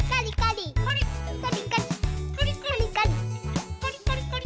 カリカリカリカリ。